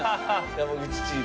山口チーム。